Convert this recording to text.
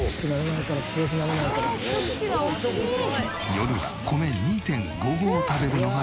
夜は米２．５合を食べるのがルール。